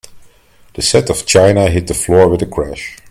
The set of china hit the floor with a crash.